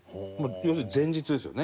要するに前日ですよね。